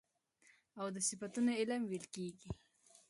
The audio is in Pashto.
او د صفتونو علم ويل کېږي .